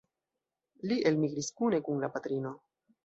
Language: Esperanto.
Li elmigris kune kun la patrino.